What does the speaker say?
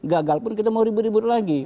gagal pun kita mau ribut ribut lagi